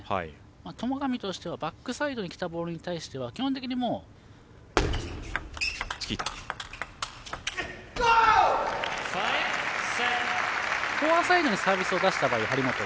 戸上としてはバックサイドにきたボールというのは基本的にフォアサイドにサービスを出した場合、張本が。